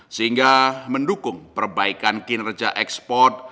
sehingga mendukung perbaikan kinerja ekspor